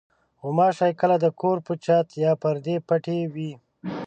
غوماشې کله د کور په چت یا پردو پټې وي.